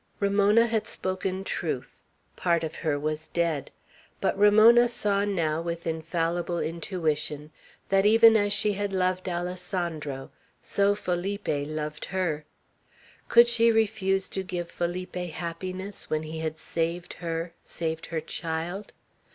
Ramona had spoken truth. Part of her was dead. But Ramona saw now, with infallible intuition, that even as she had loved Alessandro, so Felipe loved her. Could she refuse to give Felipe happiness, when he had saved her, saved her child?